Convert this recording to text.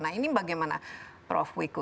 nah ini bagaimana prof wiku